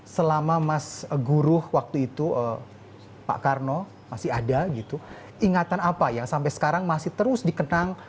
selama mas guru waktu itu pak karno masih ada gitu ingatan apa yang sampai sekarang masih terus dikenang